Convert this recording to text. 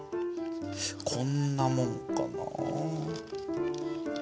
こんなもんかな？